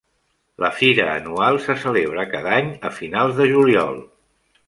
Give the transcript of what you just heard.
La fira anual se celebra cada any a finals de juliol.